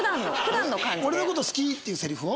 「俺の事好き？」っていうセリフを？